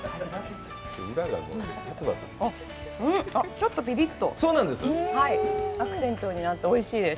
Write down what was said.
ちょっとぴりっと、アクセントになっておいしいです。